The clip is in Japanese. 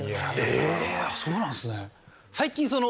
そうなんすね。